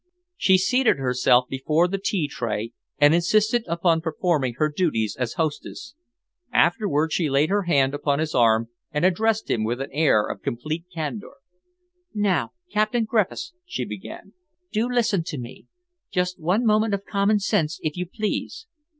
She seated herself before the tea tray and insisted upon performing her duties as hostess. Afterwards she laid her hand upon his arm and addressed him with an air of complete candour. "Now, Captain Griffiths," she began, "do listen to me. Just one moment of common sense, if you please.